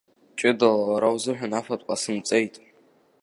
Ҷыдала уара узыҳәан афатә ҟасымҵеит.